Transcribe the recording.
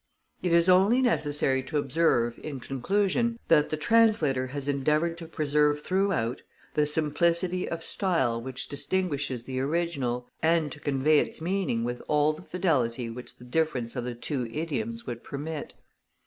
It is only necessary to observe, in conclusion, that the Translator has endeavoured to preserve throughout the simplicity of style which distinguishes the original, and to convey its meaning with all the fidelity which the difference of the two idioms would permit.